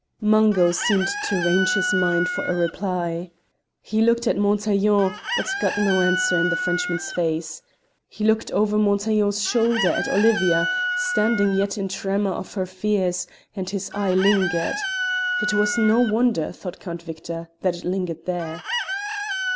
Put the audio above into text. Mungo seemed to range his mind for a reply. He looked to Montaiglon, but got no answer in the Frenchman's face; he looked over Montaiglon's shoulder at Olivia, standing yet in the tremour of her fears, and his eye lingered. It was no wonder, thought Count Victor, that it lingered there.